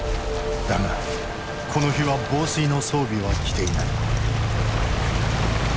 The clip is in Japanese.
だがこの日は防水の装備は着ていない。